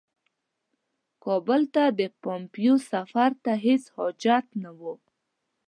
کابل ته د پومپیو سفر ته هیڅ حاجت نه وو.